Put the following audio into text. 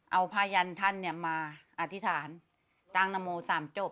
เอาพระอัญญาณท่านมาอธิษฐานตรังนโมสามจบ